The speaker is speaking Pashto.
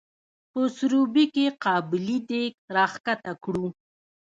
په سروبي کې قابلي دیګ راښکته کړو.